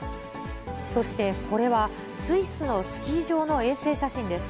そして、これはスイスのスキー場の衛星写真です。